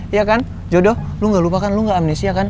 iya kan jodoh lo gak lupakan lo gak amnesia kan